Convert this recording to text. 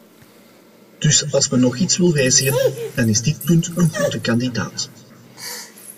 Dus als men nog iets wil wijzigen, dan is dit punt een goede kandidaat.